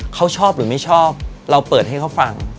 เขาชอบหรือไม่ชอบเราเปิดให้เขาฟัง